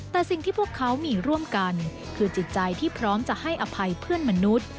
แต่สิ่งที่พวกเขามีร่วมกันคือจิตใจที่พร้อมจะให้อภัยเพื่อนมนุษย์